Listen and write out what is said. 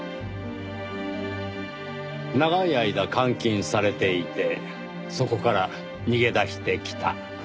長い間監禁されていてそこから逃げ出してきた。